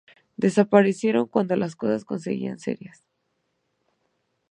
Desaparecieron cuándo las cosas conseguían serias.